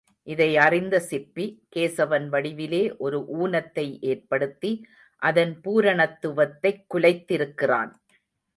இதை அறிந்த சிற்பி, கேசவன் வடிவிலே ஒரு ஊனத்தை ஏற்படுத்தி, அதன் பூரணத்துவத்தைக் குலைத்திருக்கிறான்.